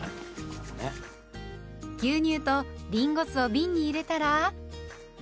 牛乳とりんご酢をびんに入れたら。